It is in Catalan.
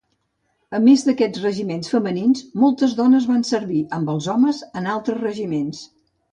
A més d'aquests regiments femenins, moltes dones van servir amb els homes en altres regiments.